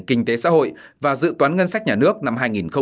kinh tế xã hội và dự toán ngân sách nhà nước năm hai nghìn một mươi chín